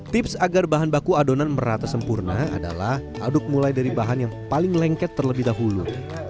tips agar bahan baku adonan merata sempurna adalah aduk mulai dari bahan yang paling lengket terlebih dahulu